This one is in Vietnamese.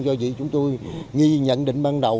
do vì chúng tôi nghi nhận định ban đầu